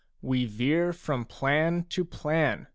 We veer from plan to plan.